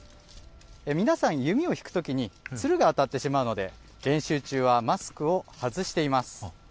皆さん、弓を引くときに弦が当たってしまうので練習中はマスクを外しています。